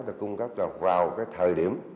đã cung cấp vào cái thời điểm